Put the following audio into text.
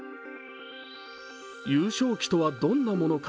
優勝旗とは、どんなものか。